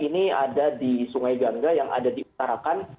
ini ada di sungai gangga yang ada di utarakan